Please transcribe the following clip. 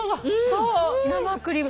そう生クリーム。